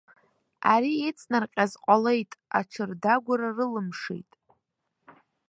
Ари иҵнарҟьаз ҟалеит, аҽырдагәара рылымшеит.